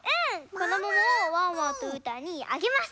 このモモをワンワンとうーたんにあげます。